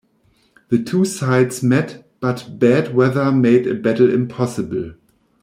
The two sides met but bad weather made a battle impossible.